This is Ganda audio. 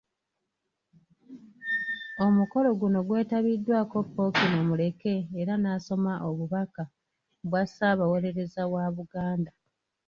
Omukolo guno gwetabiddwako Ppookino Muleke era n’asoma obubaka bwa Ssaabawolereza wa Buganda.